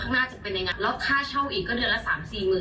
ยอมทิ้งกว่า๓ล้านได้หรือ